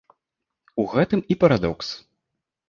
У гэтым і парадокс.